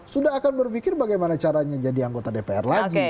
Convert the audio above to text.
sudah akan berpikir bagaimana caranya jadi anggota dpr lagi